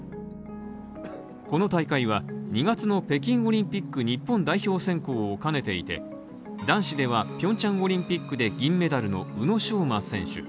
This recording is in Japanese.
この大会は２月の北京オリンピック日本代表選考を兼ねていて、男子では平昌オリンピックで銀メダルの宇野昌磨選手。